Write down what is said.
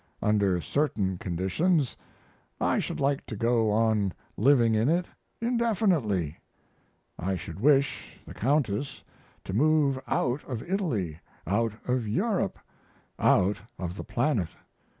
Under certain conditions I should like to go on living in it indefinitely. I should wish the Countess to move out of Italy, out of Europe, out of the planet.